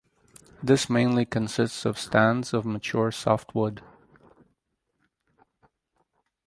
This mainly consists of stands of mature softwood.